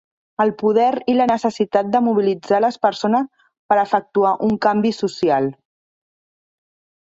El poder i la necessitat de mobilitzar les persones per efectuar un canvi social.